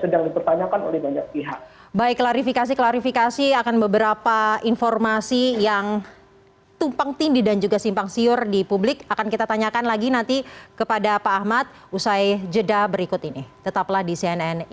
dan tidak harus kemudian berargumentasi dibalik bahwa ini adalah proses penyelidikan